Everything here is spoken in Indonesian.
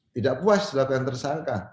tidak puas dilakukan tersangka